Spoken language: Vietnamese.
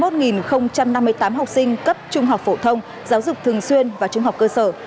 tỉnh đắk lắc sẽ có một trăm chín mươi một năm mươi tám học sinh cấp trung học phổ thông giáo dục thường xuyên và trung học cơ sở